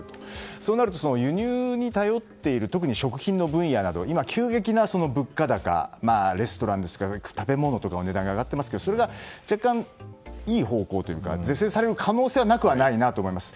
そうなると輸入に頼っている特に食品の分野など今、急激な物価高レストランですとか食べ物とかも値段が上がっていますがそれが若干いい方向というか是正される可能性はなくはないなと思います。